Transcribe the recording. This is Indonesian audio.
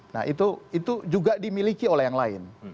nah itu juga dimiliki oleh yang lain